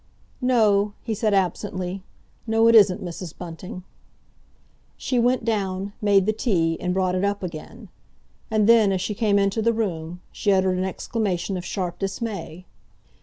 "No," he said absently. "No, it isn't, Mrs. Bunting." She went down, made the tea, and brought it up again. And then, as she came into the room, she uttered an exclamation of sharp dismay.